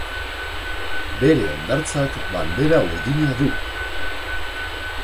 Bere hondartzak bandera urdina du.